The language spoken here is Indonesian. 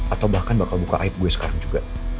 atau bahkan bakal buka aib gue sekarang juga